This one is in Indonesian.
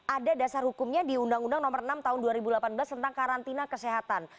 ada dasar hukumnya di undang undang nomor enam tahun dua ribu delapan belas tentang karantina kesehatan